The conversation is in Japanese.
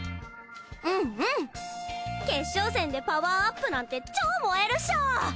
うんうん決勝戦でパワーアップなんて超燃えるっしょー！